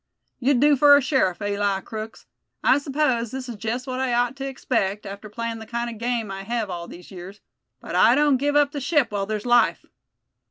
"You'd do fur a sheriff, Eli Crookes. I s'pose this is jest what I ought to expect, after playin' the kind o' game I hev all these years; but I don't give up the ship while there's life.